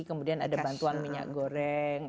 kemudian ada bantuan minyak goreng